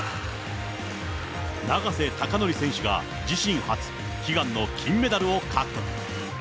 永瀬貴規選手が自身初、悲願の金メダルを獲得。